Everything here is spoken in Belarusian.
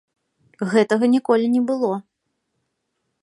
Гэтага ніколі не было.